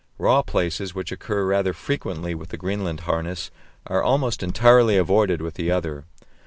Raw places, which occur rather frequently with the Greenland harness, are almost entirely avoided with the other.